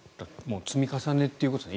積み重ねということですね。